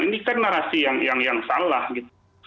ini kan narasi yang salah gitu